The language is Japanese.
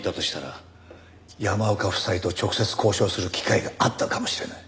山岡夫妻と直接交渉する機会があったかもしれない。